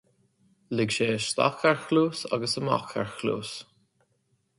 Lig sé isteach ar chluas agus amach ar chluas